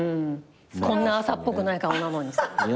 こんな朝っぽくない顔なのにさ。